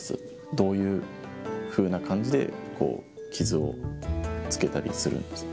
どういうふうな感じで、こう、傷をつけたりするんですか？